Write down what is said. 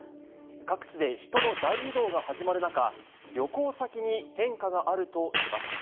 各地で人の大移動が始まる中、旅行先に変化があるといいます。